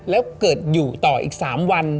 แล้วเกิดอยู่ต่ออีก๓วัน